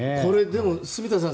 住田さん